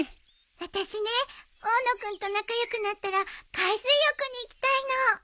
私ね大野君と仲良くなったら海水浴に行きたいの。